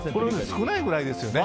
少ないくらいですよね。